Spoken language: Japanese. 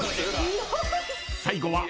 ［最後は］